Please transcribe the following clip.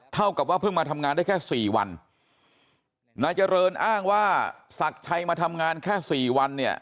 เท่ากับว่าเพิ่งมาทำงานได้แค่สี่วันนายเจริญอ้างว่าศักดิ์ชัยมาทำงานแค่สี่วันเนี่ย